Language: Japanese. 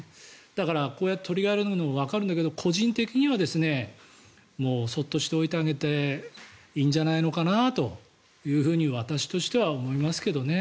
だからこうやって取り上げるのもわかるんだけど個人的にはそっとしておいてあげていいんじゃないのかなというふうに私としては思いますけどね。